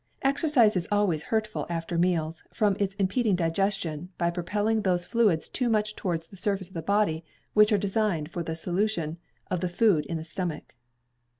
Exercise is always hurtful after meals, from its impeding digestion, by propelling those fluids too much towards the surface of the body which are designed for the solution of the food in the stomach.